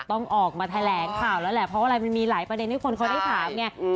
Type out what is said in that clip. ต้องออกมาแถลงข่าวแล้วแหละเพราะว่าอะไรมันมีหลายประเด็นให้คนเขาได้ถามไง